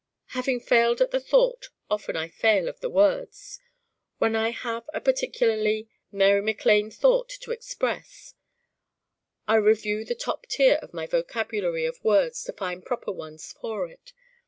Having failed of the thought often I fail of the words. When I have a particularly M. Mac Lane thought to express I review the top tier of my vocabulary of words to find proper ones for it.